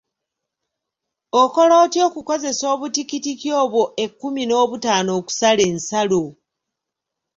Okola otya okukozesa obutikitiki obwo ekkumi n'obutaano okusala ensalo?